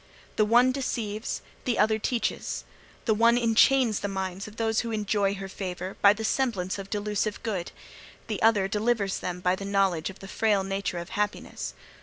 The one deceives, the other teaches; the one enchains the minds of those who enjoy her favour by the semblance of delusive good, the other delivers them by the knowledge of the frail nature of happiness.